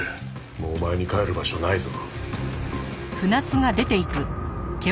もうお前に帰る場所はないぞ。